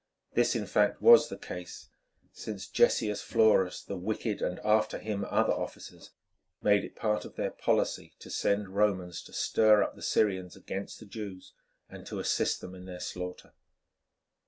This, in fact, was the case, since Gessius Florus, the wicked, and after him other officers, made it part of their policy to send Romans to stir up the Syrians against the Jews and to assist them in their slaughter.